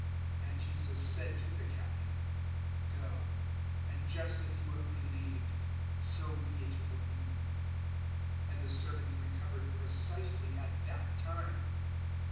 008:013 And Jesus said to the Captain, "Go, and just as you have believed, so be it for you." And the servant recovered precisely at that time.